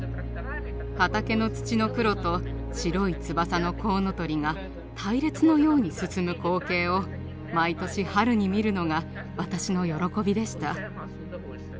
畑の土の黒と白い翼のコウノトリが隊列のように進む光景を毎年春に見るのが私の喜びでした。